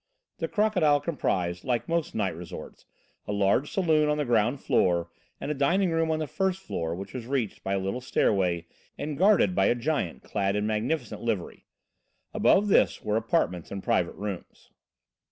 The Crocodile comprised, like most night resorts, a large saloon on the ground floor and a dining room on the first floor which was reached by a little stairway and guarded by a giant clad in magnificent livery. Above this were apartments and private rooms.